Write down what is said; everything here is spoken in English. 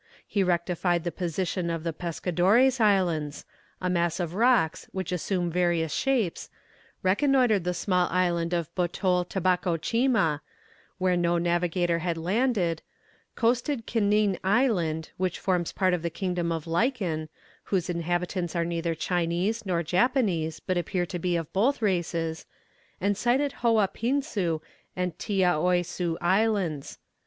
He rectified the position of the Pescadores Islands, a mass of rocks which assume various shapes, reconnoitred the small island of Botol Tabaco Xima, where no navigator had landed, coasted Kinin Island, which forms part of the kingdom of Liken, whose inhabitants are neither Chinese nor Japanese, but appear to be of both races, and sighted Hoa pinsu and Tiaoy su Islands.